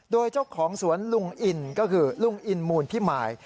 โดยเจ้าของสวนลุงอินก็คือลุงอินมูลพิมาย